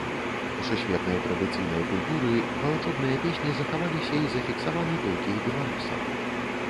У сусветнай традыцыйнай культуры валачобныя песні захаваліся і зафіксаваны толькі ў беларусаў.